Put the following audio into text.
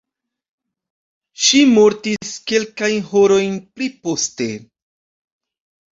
Ŝi mortis kelkajn horojn pli poste.